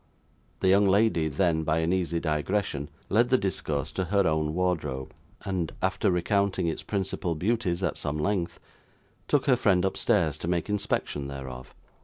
The young lady then, by an easy digression, led the discourse to her own wardrobe, and after recounting its principal beauties at some length, took her friend upstairs to make inspection thereof.